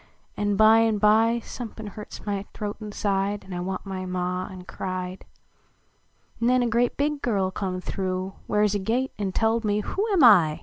An by an by Somepin hurts my throat inside An I want my Ma an cried. Xen a grea big girl come through Where s a gate, an telled me who Am T